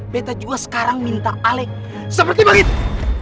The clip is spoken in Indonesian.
beta juga sekarang minta alek seperti begitu